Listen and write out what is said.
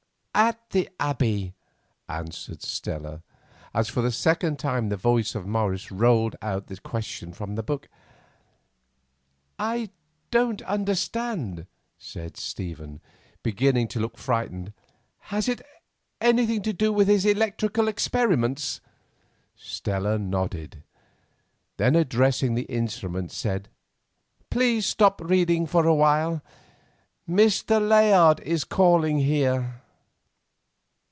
"At the Abbey," answered Stella, as for the second time the voice of Morris rolled out the question from the Book. "I don't understand," said Stephen, beginning to look frightened; "has it anything to do with his electrical experiments?" Stella nodded. Then, addressing the instrument, said: "Please stop reading for a while. Mr. Layard is calling here."